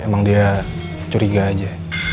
emang dia curiga aja